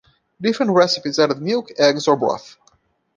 Different recipes added milk, eggs or broth.